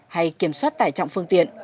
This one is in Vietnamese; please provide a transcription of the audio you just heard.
hay kiểm soát tải trọng phương tiện